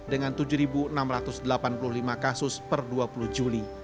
dengan tujuh enam ratus delapan puluh lima kasus per dua puluh juli